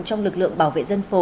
trong lực lượng bảo vệ xã chính quy